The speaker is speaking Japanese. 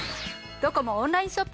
ドコモオンラインショップ